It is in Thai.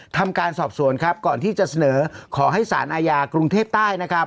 ทำการสอบสวนก่อนที่จะเสนอขอให้สารอายากรุงเทพฯใต้